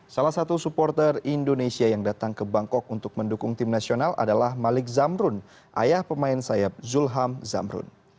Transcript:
salah satu supporter indonesia yang datang ke bangkok untuk mendukung tim nasional adalah malik zamrun ayah pemain sayap zulham zamrun